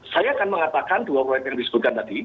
saya akan mengatakan dua proyek yang disebutkan tadi